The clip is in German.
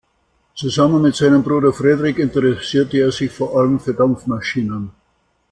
Zusammen mit seinem Bruder Fredrik interessierte er sich vor allem für Dampfmaschinen.